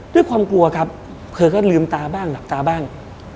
ด้วยความกลัวครับเธอก็ลืมตาบ้างหลับตาบ้าง